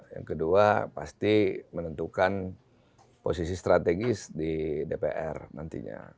yang kedua pasti menentukan posisi strategis di dpr nantinya